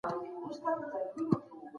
دا میز د لرګیو څخه جوړ سوی دی.